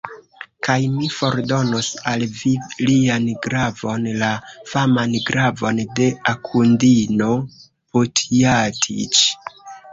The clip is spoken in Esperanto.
Kaj mi fordonos al vi lian glavon, la faman glavon de Akundino Putjatiĉ!